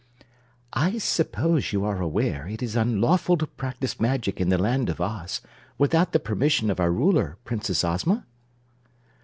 "I suppose you are aware it is unlawful to practice magic in the Land of Oz, without the permission of our Ruler, Princess Ozma?"